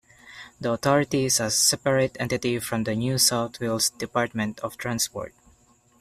The authority is a separate entity from the New South Wales Department of Transport.